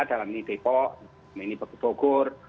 dalam ini depok ini bogor